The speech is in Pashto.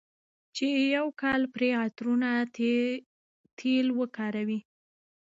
چې يو کال پرې عطرونه، تېل وکاروي،